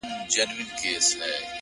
تا چي نن په مينه راته وكتل،